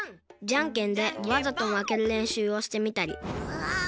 じゃんけんでわざとまけるれんしゅうをしてみたりぐわっ！